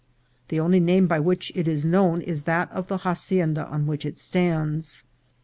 The only name by which it is known is that of the hacienda on which it stands.